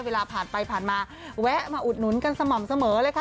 เวลาผ่านไปผ่านมาแวะมาอุดหนุนกันสม่ำเสมอเลยค่ะ